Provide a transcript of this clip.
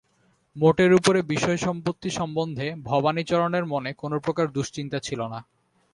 মোটের উপরে বিষয়সম্পত্তি সম্বন্ধে ভবানীচরণের মনে কোনোপ্রকার দুশ্চিন্তা ছিল না।